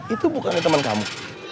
itu bukan teman kamu